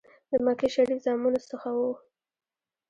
د مکې شریف زامنو څخه وو.